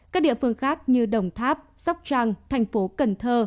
các địa phương khác như đồng tháp sóc trăng thành phố cần thơ